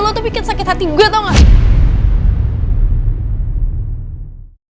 lo tuh pikir sakit hati gue tau gak